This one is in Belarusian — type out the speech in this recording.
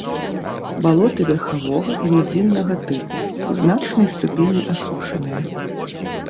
Балоты верхавога і нізіннага тыпу, у значнай ступені асушаныя.